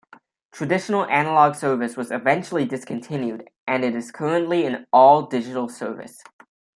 Traditional analog service was eventually discontinued, and it is currently an all-digital service.